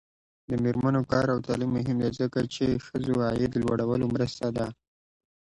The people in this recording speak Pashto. د میرمنو کار او تعلیم مهم دی ځکه چې ښځو عاید لوړولو مرسته ده.